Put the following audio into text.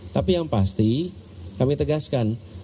tapi yang pasti kami tegaskan